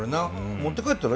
持って帰ったら？